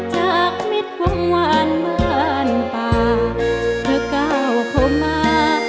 จากมิดหวังหวานบ้านป่าเพื่อเก้าโคมมา